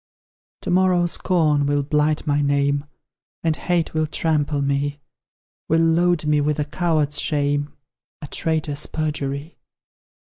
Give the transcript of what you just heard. To morrow, Scorn will blight my name, And Hate will trample me, Will load me with a coward's shame A traitor's perjury.